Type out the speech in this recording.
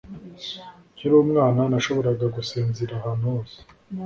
Nkiri umwana nashoboraga gusinzira ahantu hose